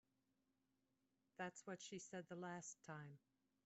That's what she said the last time.